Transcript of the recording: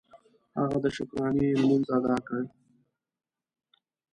هغه د شکرانې لمونځ ادا کړ.